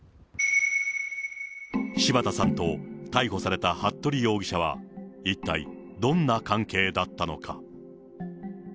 柴田さんと逮捕された服部容疑者は、一体どんな関係だったのか。